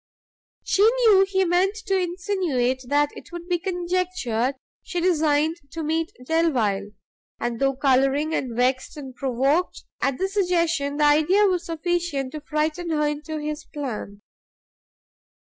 She knew he meant to insinuate that it would be conjectured she designed to meet Delvile, and though colouring, vext and provoked at the suggestion, the idea was sufficient to frighten her into his plan.